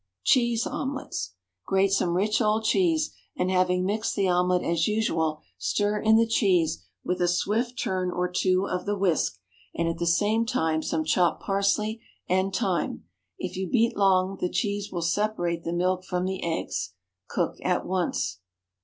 CHEESE OMELETTES. Grate some rich old cheese, and having mixed the omelette as usual, stir in the cheese with a swift turn or two of the whisk, and at the same time some chopped parsley and thyme. If you beat long the cheese will separate the milk from the eggs. Cook at once.